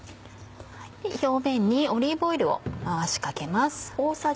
表面にオリーブオイルを回しかけます。